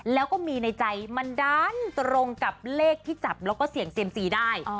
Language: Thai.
แล้วก็มีในใจมันดันตรงกับเลขที่จับแล้วก็เสี่ยงเซียมซีได้